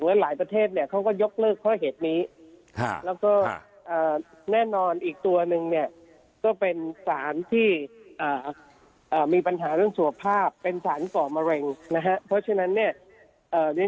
หลายประเทศเนี่ยเขาก็ยกเลิกเพราะเหตุนี้แล้วก็แน่นอนอีกตัวนึงเนี่ยก็เป็นสารที่มีปัญหาเรื่องสุขภาพเป็นสารก่อมะเร็งนะฮะเพราะฉะนั้นเนี่ย